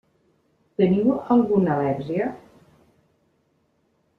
Teniu alguna al·lèrgia?